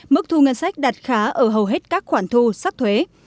mức thu ngân sách đạt khá ở hầu hết các khoản thu sắc thuế